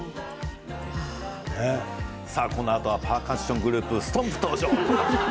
このあとはパーカッショングループＳＴＯＭＰ登場。